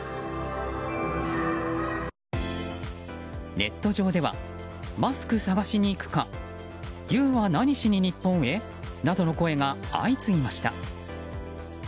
ネット上ではマスク探しに行くかＹＯＵは何しにニッポンへ？などの声が相次ぎました。